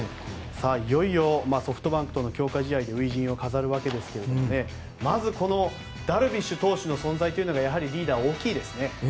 いよいよソフトバンクとの強化試合で初陣を飾りますがまずダルビッシュ投手の存在がやはりリーダー、大きいですね。